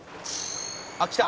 「あっきた」